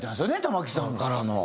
玉置さんからの。